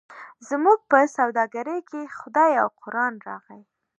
زموږ په سوداګرۍ کې خدای او قران راغی.